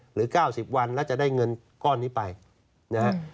หรือ๙๐วันแล้วจะได้เงินก้อนนี้ไปนะครับ